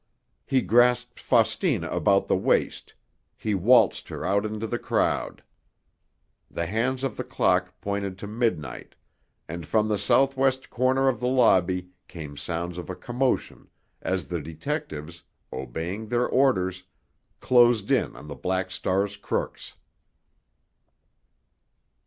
He grasped Faustina about the waist—he waltzed her out into the crowd! The hands of the clock pointed to midnight—and from the southwest corner of the lobby came sounds of a commotion as the detectives, obeying their orders, closed in on the Black Star's crooks.